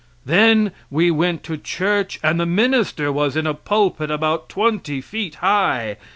Then we went to church, and the minister was in a pulpit about twenty feet high.